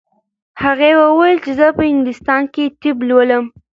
هغې وویل چې زه په انګلستان کې طب لولم.